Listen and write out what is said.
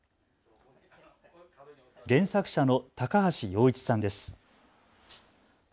原作者の高橋陽一さんです。